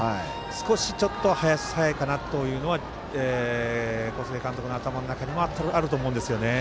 少しちょっと早いかなというのは小菅監督の頭の中にはあると思うんですよね。